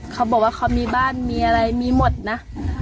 เขาบอกว่าเขามีบ้านมีอะไรมีหมดนะ